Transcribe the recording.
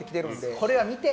これは見て！